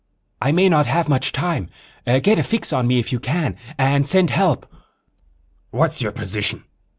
"I may not have much time. Get a fix on me if you can. And send help." "What's your position?"